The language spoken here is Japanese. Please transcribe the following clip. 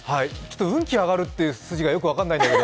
運気上がるっていう筋がよく分かんないんだけど。